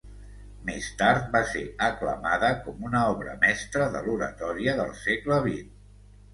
Més tard va ser aclamada com una obra mestra de l'oratòria del segle XX.